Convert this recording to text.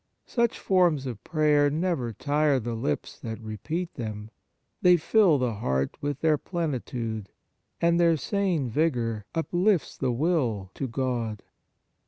Such forms of prayer never tire the lips that repeat them ; they fill the heart with their pleni tude, and their sane vigour uplifts the will to God.